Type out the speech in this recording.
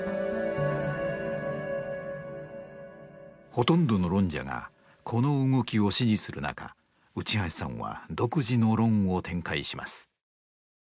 ほとんどの論者がこの動きを支持する中内橋さんは独自の論を展開します。